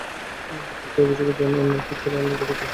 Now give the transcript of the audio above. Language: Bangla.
প্রত্যেকটি অভিযোেগ অন্যটির তুলনায় গুরুতর।